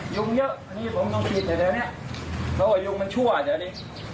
ยุ่งเยอะอันนี้ผมต้องฉีดแถวเนี้ยเพราะว่ายุ่งมันชั่วอาจจะได้